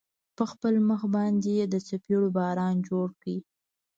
په خپل مخ باندې يې د څپېړو باران جوړ كړ.